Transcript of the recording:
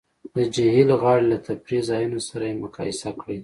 د جهیل غاړې له تفریح ځایونو سره یې مقایسه کړئ